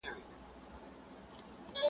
ترېنه جوړ امېل د غاړي د لیلا کړو,